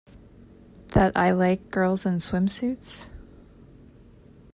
That I like girls in swimsuits?